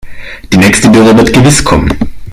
Die nächste Dürre wird gewiss kommen.